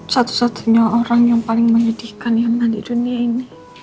satu satunya orang yang paling menyedihkan yang ada di dunia ini